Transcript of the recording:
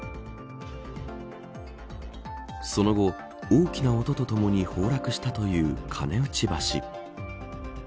その、後大きな音とともに崩落したという金内橋。